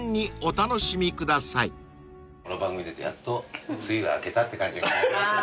この番組出てやっと梅雨が明けたって感じが。